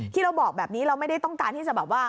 ที่เราบอกแบบนี้เราไม่ได้ต้องการที่จะแบบว่า